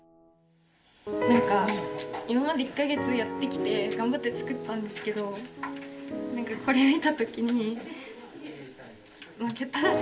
何か今まで１か月やってきて頑張って作ったんですけどこれ見た時に負けた。